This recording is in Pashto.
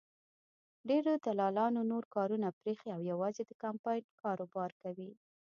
ډېرو دلالانو نور کارونه پرېښي او یوازې د کمپاین کاروبار کوي.